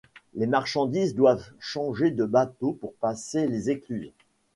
Les marchandises doivent souvent changer de bateau pour passer les écluses.